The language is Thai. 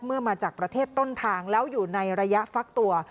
มาจากประเทศต้นทางแล้วอยู่ในระยะฟักตัว